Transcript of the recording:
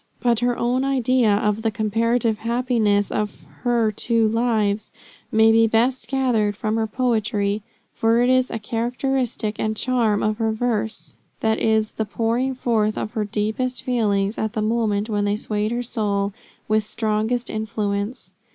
But her own idea of the comparative happiness of her two lives, may be best gathered from her poetry, for it is a characteristic and charm of her verse that it is the pouring forth of her deepest feelings at the moment when they swayed her soul with strongest influence.